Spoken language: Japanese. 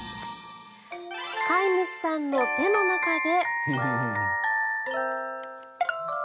飼い主さんの手の中で。